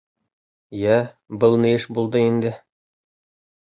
— Йә, был ни эш булды инде?